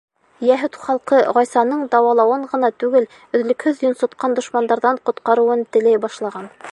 Йәһүд халҡы Ғайсаның дауалауын ғына түгел, өҙлөкһөҙ йонсотҡан дошмандарҙан ҡотҡарыуын теләй башлаған.